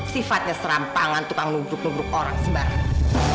sifatnya serampangan tukang nuduk nuduk orang sembarang